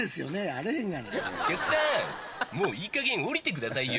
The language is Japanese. あれへんがなお客さんもういいかげん降りてくださいよ